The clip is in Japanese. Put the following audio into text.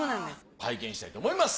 拝見したいと思います。